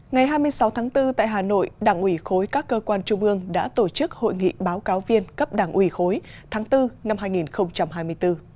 ngày hai mươi sáu tháng bốn tại hà nội đảng ủy khối các cơ quan trung ương đã tổ chức hội nghị báo cáo viên cấp đảng ủy khối tháng bốn năm hai nghìn hai mươi bốn